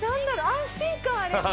安心感あります。